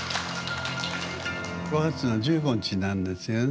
５月の１５日なんですよね。